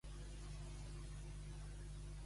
Puja paret amunt, amb el tabalet al cul.